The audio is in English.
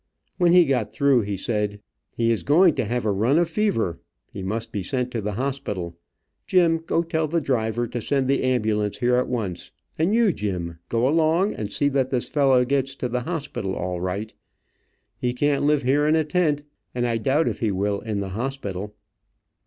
When he got through, he said: "He is going to have a run of fever. He must be sent to the hospital. Jim, go tell the driver to send the ambulance here at once, and you, Jim, go along and see that this fellow gets to the hospital all right. He can't live here in a tent, and I doubt if he will in the hospital."